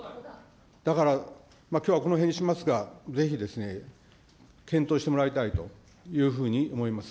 だからきょうはこのへんにしますが、ぜひ検討してもらいたいというふうに思います。